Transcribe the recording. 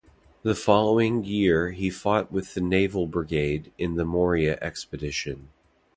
The following year he fought with the Naval Brigade in the Morea expedition.